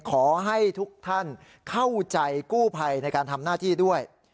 ขอให้ทุกท่านเข้าใจกู้ภัยในการทำหน้าที่ด้วย